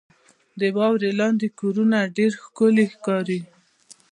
• د واورې لاندې کورونه ډېر ښکلي ښکاري.